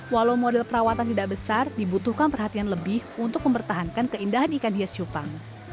walau model perawatan tidak besar dibutuhkan perhatian lebih untuk mempertahankan keindahan ikan hias cupang